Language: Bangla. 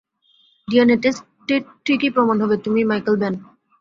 ডিএনএ টেস্টে ঠিকই প্রমাণ হবে তুমিই মাইকেল বেন।